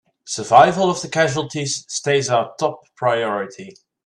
Survival of the casualties stays our top priority!